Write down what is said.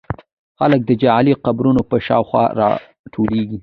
خلک د جعلي قبرونو په شاوخوا راټولېږي.